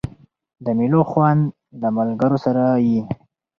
د مېلو خوند د ملګرو سره يي.